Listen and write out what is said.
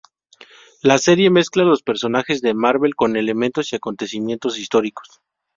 La serie mezcla los personajes de Marvel con elementos y acontecimientos históricos.